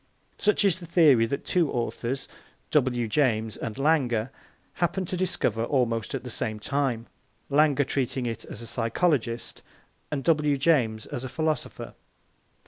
Such is the theory that two authors W. James and Lange happened to discover almost at the same time, Lange treating it as a physiologist and W. James as a philosopher.